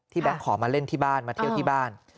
แก๊งขอมาเล่นที่บ้านมาเที่ยวที่บ้าน